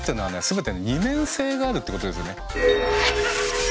全て二面性があるってことですよね。